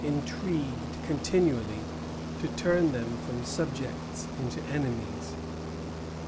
intrigued continually to turn them from subjects into enemies.